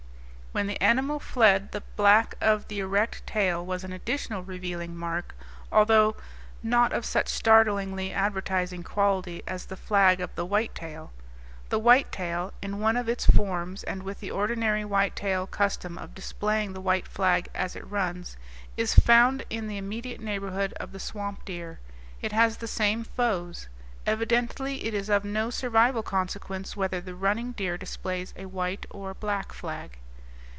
When the animal fled the black of the erect tail was an additional revealing mark, although not of such startlingly advertising quality as the flag of the whitetail. The whitetail, in one of its forms, and with the ordinary whitetail custom of displaying the white flag as it runs, is found in the immediate neighborhood of the swamp deer. It has the same foes. Evidently it is of no survival consequence whether the running deer displays a white or a black flag.